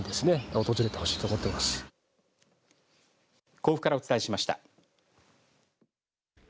甲府からお伝えしました。